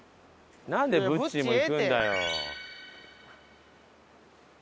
なんでぶっちーも行くんだよ。